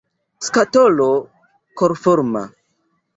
Skatolo korforma.